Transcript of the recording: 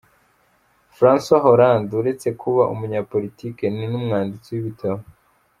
Francois Hollande uretse kuba umunyapolitiki ni n’umwanditsi w’ibitabo.